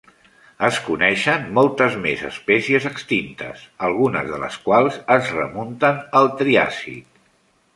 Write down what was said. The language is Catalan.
Es coneixen moltes més espècies extintes, algunes de les quals es remunten al Triàsic.